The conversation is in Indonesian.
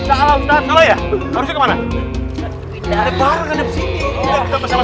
apa yang dia kutahu ustaz